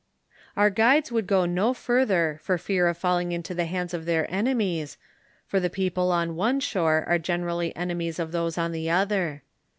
Our guides would go no further for fear of falling into the hands of their enemies, for the people on one shore are gene rally enemies of those on the other.